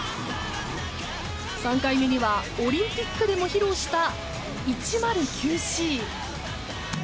３回目にはオリンピックでも披露した１０９Ｃ。